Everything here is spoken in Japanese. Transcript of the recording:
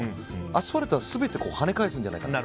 アスファルトは全て跳ね返すんじゃないかと。